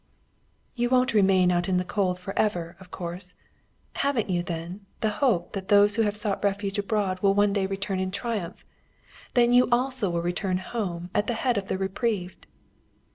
"You won't remain out in the cold for ever, of course. Haven't you, then, the hope that those who have sought refuge abroad will one day return in triumph? Then you also will return home at the head of the reprieved."